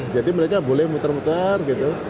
jadi mereka boleh muter muter gitu